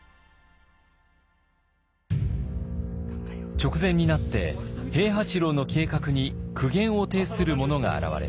直前になって平八郎の計画に苦言を呈する者が現れます。